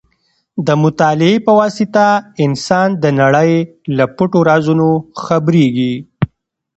د مطالعې په واسطه انسان د نړۍ له پټو رازونو خبرېږي.